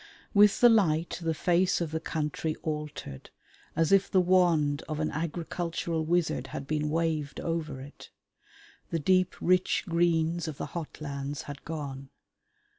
With the light the face of the country altered as if the wand of an agricultural wizard had been waved over it. The deep rich greens of the hot lands had gone.